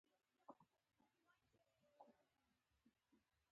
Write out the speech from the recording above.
مچکه د مينې تومنه ده